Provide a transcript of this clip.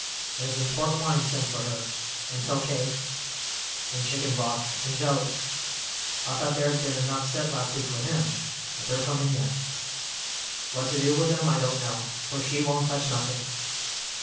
There's been port wine sent for her, and Tokay, and chicken broth, and jellies—I thought there'd been enough sent last week for him, but they're comin' yet. What to do with 'em I don't know, for she won't touch nothin'.